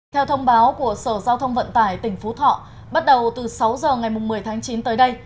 theo thông báo của sở giao thông vận tải tỉnh phú thọ bắt đầu từ sáu giờ ngày một mươi tháng chín tới đây